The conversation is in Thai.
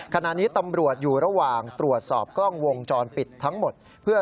ขณะนี้ตำรวจอยู่ระหว่างตรวจสอบกล้องวงจรปิดทั้งหมดเพื่อ